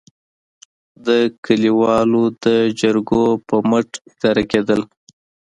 د کلیوالو د جرګو پر مټ اداره کېدل.